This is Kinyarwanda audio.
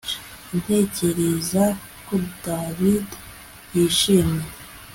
Ntekereza ko David yishimye